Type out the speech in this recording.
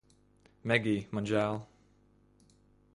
Megij, man žēl